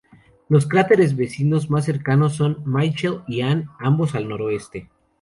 Los cráteres vecinos más cercanos son Michael y Ann, ambos al noroeste.